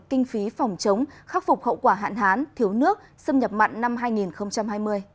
kinh phí phòng chống khắc phục hậu quả hạn hán thiếu nước xâm nhập mặn năm hai nghìn hai mươi